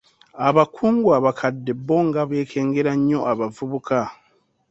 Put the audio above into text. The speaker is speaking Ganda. Abakungu abakadde bo nga beekengera nnyo abavubuka.